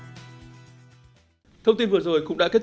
cảm ơn các bác vấn quân bộ quốc tế